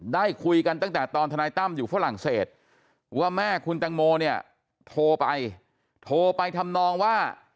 ได้คุยกันตั้งแต่ตอนทนายตั้มอยู่ฝรั่งเศสว่าแม่คุณแตงโมเนี่ยโทรไปโทรไปทำนองว่า